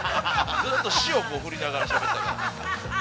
ずうっと塩を振りながらしゃべってたから。